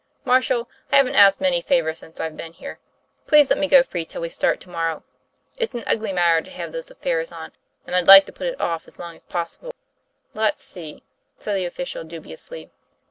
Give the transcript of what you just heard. " Marshal, I haven't asked you many favors since I've been here. Please let me go free till we start to morrow; it's an ugly matter to have those affairs on, and I'd like to put it off as long as possible." "Let's see," said the official dubiously.